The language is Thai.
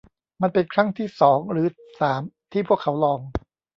มันเป็นครั้งที่สองหรือสามที่พวกเขาลอง